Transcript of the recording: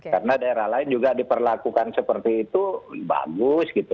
karena daerah lain juga diperlakukan seperti itu bagus gitu